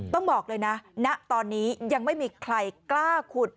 ต้องบอกเลยนะณตอนนี้ยังไม่มีใครกล้าขุด